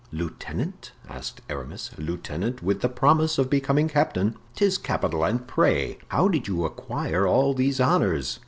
"Lieutenant?" asked Aramis. "Lieutenant, with a promise of becoming captain." "'Tis capital; and pray, how did you acquire all these honors?"